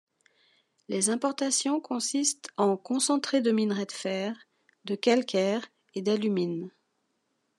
Les importations consistent en concentré de minerai de fer, de calcaire et d'alumine.